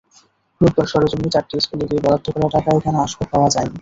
রোববার সরেজমিনে চারটি স্কুলে গিয়ে বরাদ্দ করা টাকায় কেনা আসবাব পাওয়া যায়নি।